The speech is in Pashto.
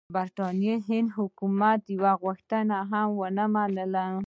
د برټانوي هند حکومت یوه غوښتنه هم ونه منله.